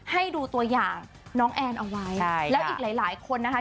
ให้ดูตัวอย่างน้องแอนเอาไว้แล้วอีกหลายหลายคนนะคะ